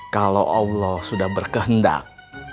kalau allah sudah berkehendak